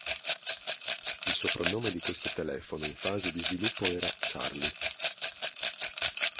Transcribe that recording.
Il soprannome di questo telefono in fase di sviluppo era "Charlie".